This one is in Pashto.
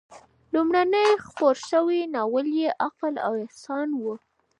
لومړنی خپور شوی ناول یې "عقل او احساس" و.